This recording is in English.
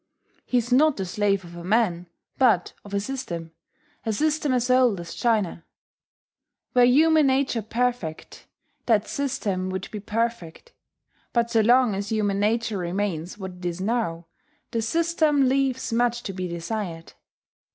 He is not the slave of a man, but of a system a system as old as China. Were human nature perfect, that system would be perfect; but so long as human nature remains what it is now, the system leaves much to be desired.